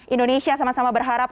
indonesia sama sama berharap